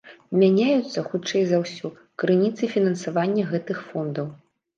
Мяняюцца, хутчэй за ўсё, крыніцы фінансавання гэтых фондаў.